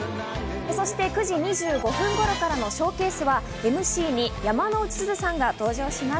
そして９時２５分頃からのＳＨＯＷＣＡＳＥはＭＣに山之内すずさんが登場します。